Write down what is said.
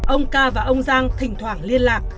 ông ca và ông giang thỉnh thoảng liên lạc